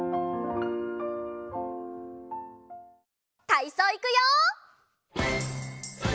たいそういくよ！